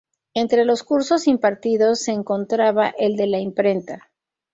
Entre los cursos impartidos se encontraba el de la imprenta.